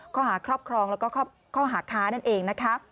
ข้อหาครอบครองแล้วก็ข้อหาค้านั่นเอง